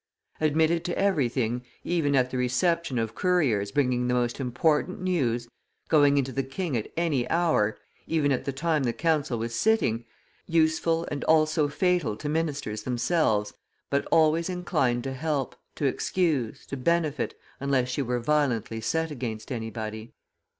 Admitted to everything, even at the reception of couriers bringing the most important news, going into the king at any hour, even at the time the council was sitting, useful and also fatal to ministers themselves, but always inclined to help, to excuse, to benefit, unless she were violently set against anybody.